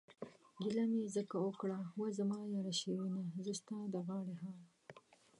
گيله مې ځکه اوکړه وا زما ياره شيرينه، زه ستا د غاړې هار...